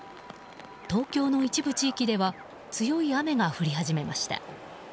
東京の一部地域では強い雨が降り始めました。